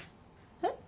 えっ？